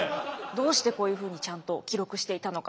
どうしてこういうふうにちゃんと記録していたのか。